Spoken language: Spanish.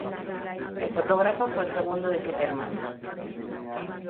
El fotógrafo fue el segundo de siete hermanos.